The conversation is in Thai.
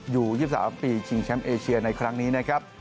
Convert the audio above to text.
อยู่๒๓ปีชิงแชมป์เอเชียในครั้งนี้นะครับ